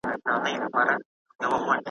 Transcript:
ټولي هیڅکله هیڅ چا نه دي میندلي.